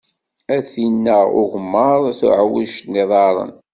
A tinn-a n ugemmaḍ, tuɛwijt n yiḍarren.